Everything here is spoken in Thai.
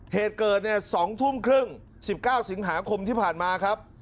เหตุเกิดเนี่ย๒ทุ่มครึ่ง๑๙สิงหาคมที่ผ่านมาครับ